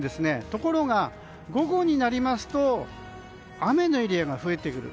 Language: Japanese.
ところが午後になりますと雨のエリアが増えてくる。